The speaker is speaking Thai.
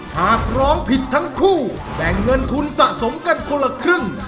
หากร้องผิดทั้งคู่แบ่งเงินทุนสะสมกันคนละครึ่ง